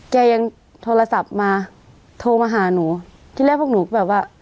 ยังโทรศัพท์มาโทรมาหาหนูที่แรกพวกหนูก็แบบว่า